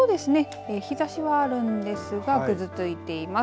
日ざしはあるんですがぐずついています。